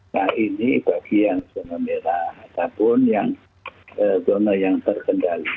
nah ini bagian zona merah ataupun zona yang terkendali